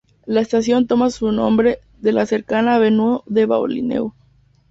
La estación toma su nombre de la cercana Avenue de Beaulieu.